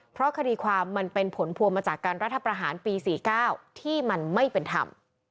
เพราะคดีความมันเป็นผลพวงมาจากการรัฐประหารปี๔๙ที่มันไม่เป็นธรรม